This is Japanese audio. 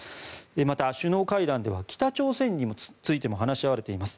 また、首脳会談では北朝鮮についても話し合われています。